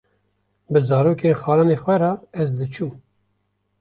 bi zarokên xalanê xwe re ez diçûm